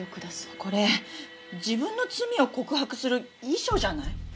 これ自分の罪を告白する遺書じゃない？